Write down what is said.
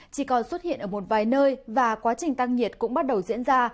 chỉ còn xuất hiện ở một vài nơi và quá trình tăng nhiệt cũng bắt đầu diễn ra